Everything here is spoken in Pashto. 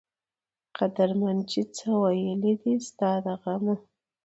قدرمند چې څۀ وئيل دي ستا د غمه